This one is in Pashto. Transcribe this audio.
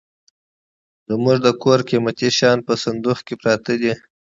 زموږ د کور قيمتي شيان په صندوخ کي پراته وي.